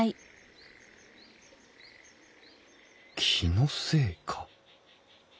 気のせいか。